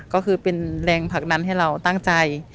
ก็คือเป็นแรงผลักดันให้เราตั้งใจ